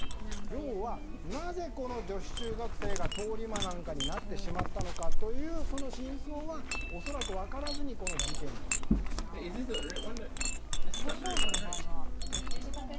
要は、なぜこの女子中学生が通り魔なんかになってしまったのかというその真相は恐らく分からずにこの事件がこの少女の場合はどっちですか？